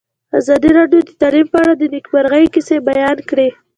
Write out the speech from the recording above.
ازادي راډیو د تعلیم په اړه د نېکمرغۍ کیسې بیان کړې.